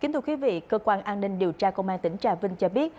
kính thưa quý vị cơ quan an ninh điều tra công an tỉnh trà vinh cho biết